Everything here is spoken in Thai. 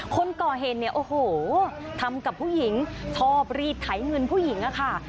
คนก่อเหตุเนี่ยโอ้โหทำกับผู้หญิงชอบรีดไถเงินผู้หญิงอะค่ะ